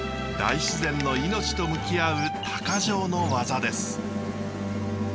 大自然の命と向き合う鷹匠の技です。